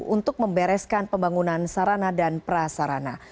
untuk membereskan pembangunan sarana dan prasarana